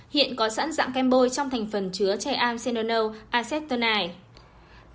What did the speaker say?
hiện có sẵn dạng kem bôi trong thành phần chứa chai amsenonol acetonide